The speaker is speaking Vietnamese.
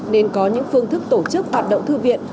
nên có những phương thức tổ chức hoạt động thư viện